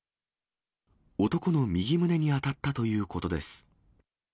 男の右胸に当たったということです。